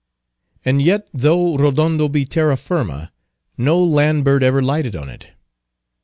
And yet though Rodondo be terra firma, no land bird ever lighted on it.